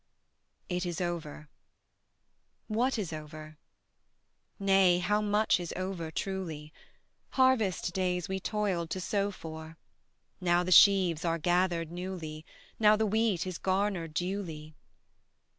It is over. What is over? Nay, how much is over truly! Harvest days we toiled to sow for; Now the sheaves are gathered newly, Now the wheat is garnered duly.